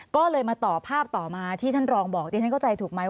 ก็เลยมาต่อภาพต่อมาที่ท่านรองบอกดิฉันเข้าใจถูกไหม